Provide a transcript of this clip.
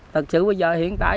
thật sự bây giờ hiện tại